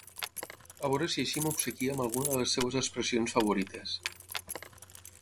A veure si així m'obsequia amb alguna de les seves expressions favorites.